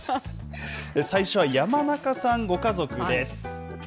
最初は山中さんご家族です。